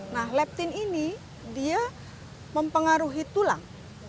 nah leptin ini dia mempengaruhi tulang